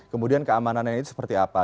kemudian keamanannya itu seperti apa